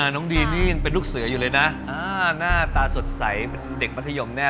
น้องดีนนี่ยังเป็นลูกเสืออยู่เลยนะหน้าตาสดใสเป็นเด็กมัธยมแน่